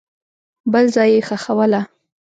بل ځای یې ښخوله.